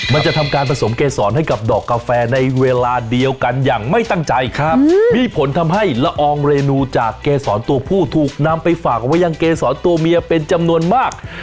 มันจะทำการผสมเกษรให้กับดอกกาแฟในเวลาเดียวกันอย่างไม่ตั้งใจครับมีผลทำให้ละอองเรนูจากเกษรตัวผู้ถูกนำไปฝากเอาไว้ยังเกษรตัวเมียเป็นจำนวนมาก